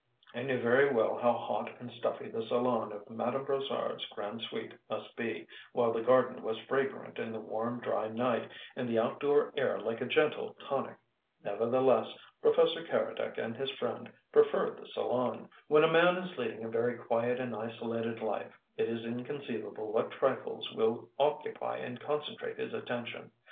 I knew very well how hot and stuffy the salon of Madame Brossard's "Grande Suite" must be, while the garden was fragrant in the warm, dry night, and the outdoor air like a gentle tonic. Nevertheless, Professor Keredec and his friend preferred the salon. When a man is leading a very quiet and isolated life, it is inconceivable what trifles will occupy and concentrate his attention.